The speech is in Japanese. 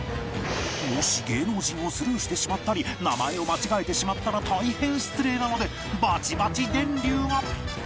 もし芸能人をスルーしてしまったり名前を間違えてしまったら大変失礼なのでバチバチ電流が